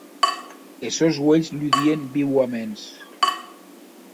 Es sòns uelhs ludien viuaments.